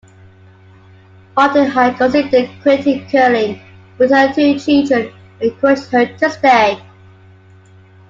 Martin had considered quitting curling, but her two children encouraged her to stay.